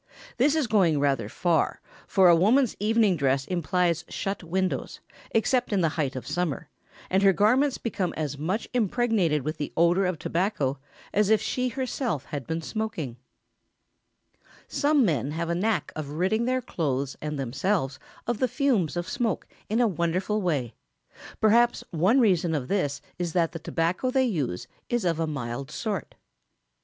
This is going rather far, for a woman's evening dress implies shut windows, except in the height of summer, and her garments become as much impregnated with the odour of tobacco as if she had herself been smoking. [Sidenote: On getting rid of the smell.] Some men have a knack of ridding their clothes and themselves of the fumes of smoke in a wonderful way. Perhaps one reason of this is that the tobacco they use is of a mild sort. [Sidenote: Try the clothes brush.